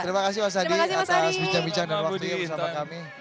terima kasih mas adi atas bincang bincang dan waktunya bersama kami